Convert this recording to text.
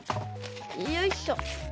よいしょ。